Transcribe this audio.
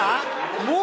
もう？